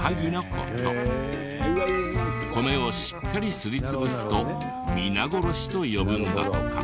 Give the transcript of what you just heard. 米をしっかりすり潰すと「みなごろし」と呼ぶんだとか。